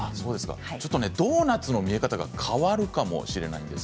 ちょっとドーナツの見方が変わるかもしれないんです。